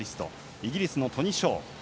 イギリスのトニ・ショー。